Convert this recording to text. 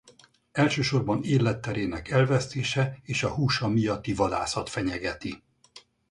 Elsősorban életterének elvesztése és a húsa miatti vadászat fenyegeti.